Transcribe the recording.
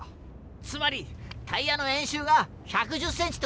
つまりタイヤの円周が１１０ｃｍって事だろう！